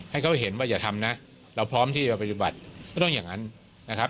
ให้เขาเห็นว่าอย่าทำนะเราพร้อมที่จะปฏิบัติก็ต้องอย่างนั้นนะครับ